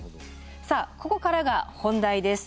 さあここからが本題です。